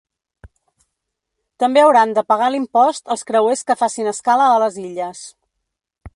També hauran de pagar l’impost els creuers que facin escala a les Illes.